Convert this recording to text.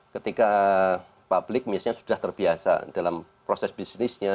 ketika publik misalnya sudah terbiasa dalam proses bisnisnya